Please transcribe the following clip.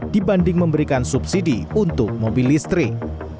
dibanding memberikan subsidi untuk mobil listrik